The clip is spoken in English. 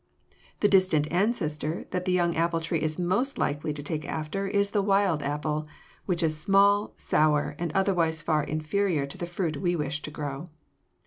The distant ancestor that the young apple tree is most likely to take after is the wild apple, which is small, sour, and otherwise far inferior to the fruit we wish to grow.